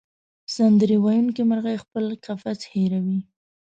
سندرې ویونکې مرغۍ خپل قفس هېروي.